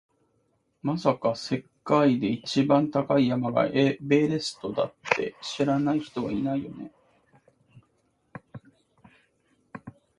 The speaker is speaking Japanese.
まさか、世界で一番高い山がエベレストだって知らない人はいないよね？